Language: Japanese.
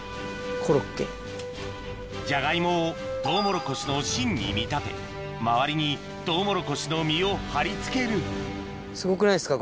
ジャガイモをトウモロコシの芯に見立て周りにトウモロコシの実を張り付けるすごくないですか？